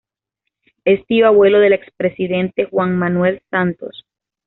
Es tío-abuelo del ex presidente Juan Manuel Santos.